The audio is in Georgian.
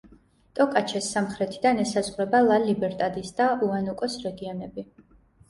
ტოკაჩეს სამხრეთიდან ესაზღვრება ლა-ლიბერტადის და უანუკოს რეგიონები.